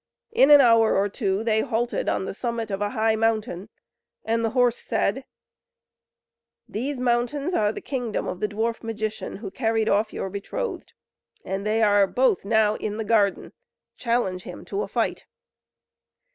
In an hour or two they halted on the summit of a high mountain, and the horse said: "These mountains are the kingdom of the dwarf magician, who carried off your betrothed, and they are both now in the garden; challenge him to fight."